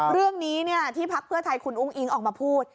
เรื่องนี้ที่พักเพื่อไทยคุณอุ้งอิ๊งออกมาพูด